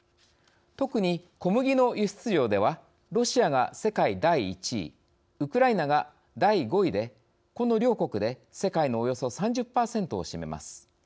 特に、小麦の輸出量ではロシアが世界第１位ウクライナが第５位でこの両国で、世界のおよそ３０％を占めます。